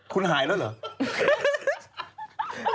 คุณหายแล้วเหรอ